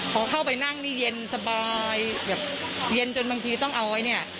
พอเข้าไปนั่งนี่เย็นสบายแบบเย็นจนบางทีต้องเอาไว้เนี่ย